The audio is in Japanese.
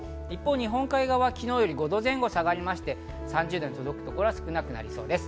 日本海側を５度前後下がりまして、３０度に届くところは少なくなりそうです。